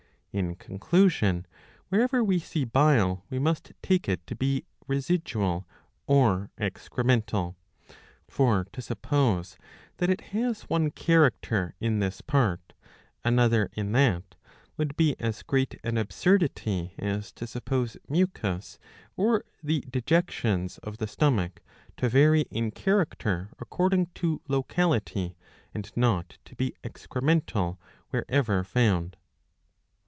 '^ In con clusion, wherever we see bile we must take it to be residual or excremental. For to suppose that it has . one character in this part, another in that, would be as great an absurdity as to suppose mucus or the dejections of the stomach to vary in character according to locality and not to be excremental wherever found.